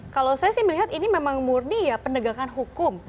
kalau saya sih melihat ini memang murni ya pendegakan hukum